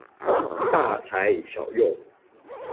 大材小用